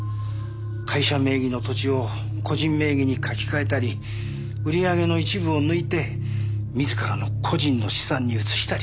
会社名義の土地を個人名義に書き換えたり売り上げの一部を抜いて自らの個人の資産に移したり。